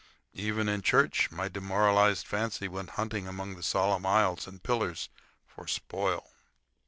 Even in church my demoralized fancy went hunting among the solemn aisles and pillars for spoil.